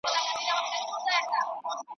د ماڼوګاڼو له اختیاره تللې ..